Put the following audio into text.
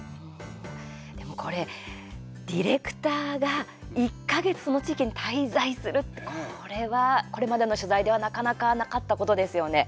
でも、これディレクターが１か月その地域に滞在するってこれは、これまでの取材ではなかなか、なかったことですよね。